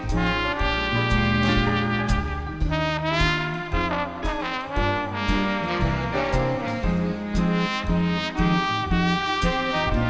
ให้รุ่นเรื่องในวันนี้ให้ขอบถ้าใครจงสาวันดี